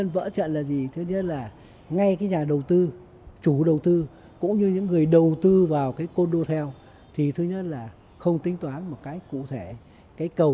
và những dự án nghỉ dưỡng này